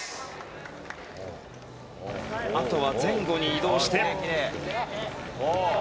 あとは前後に移動して。